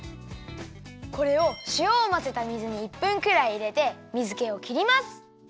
これをしおをまぜた水に１分くらいいれて水けをきります。